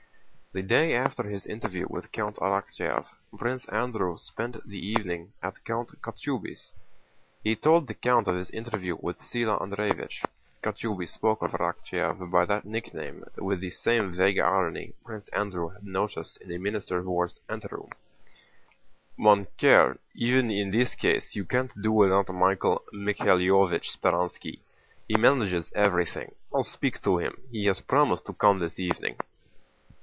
The day after his interview with Count Arakchéev, Prince Andrew spent the evening at Count Kochubéy's. He told the count of his interview with Síla Andréevich (Kochubéy spoke of Arakchéev by that nickname with the same vague irony Prince Andrew had noticed in the Minister of War's anteroom). "Mon cher, even in this case you can't do without Michael Mikháylovich Speránski. He manages everything. I'll speak to him. He has promised to come this evening."